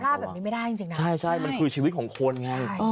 มีประว่าแบบนี้ไม่ได้จริงนะใช่มันคือชีวิตของคนไง